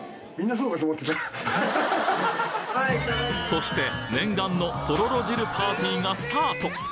そして念願のとろろ汁パーティーがスタート！